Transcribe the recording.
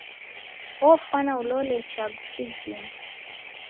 Ofwana ulole chagu kizima.